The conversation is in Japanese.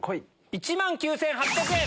１万９８００円！